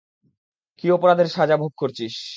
কী অপরাধে সাজা ভোগ করছিস?